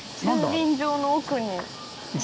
駐輪場の奥に。